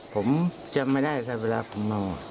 ผมจำไม่ได้ครับเวลาผมเมา